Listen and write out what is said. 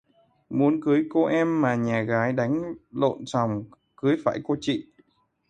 Muốn cưới cô em mà nhà gái đánh lộn sòng, cưới phải cô chị